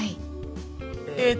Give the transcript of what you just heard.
えっと。